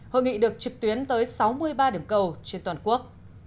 hội nghị được trực tuyến tới sáu mươi ba điểm cầu trên toàn quốc